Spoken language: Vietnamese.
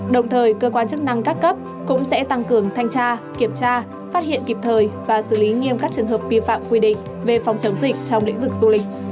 đồng thời cơ quan chức năng các cấp cũng sẽ tăng cường thanh tra kiểm tra phát hiện kịp thời và xử lý nghiêm các trường hợp vi phạm quy định về phòng chống dịch trong lĩnh vực du lịch